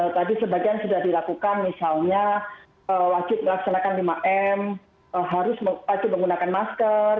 tadi sebagian sudah dilakukan misalnya wajib melaksanakan lima m harus menggunakan masker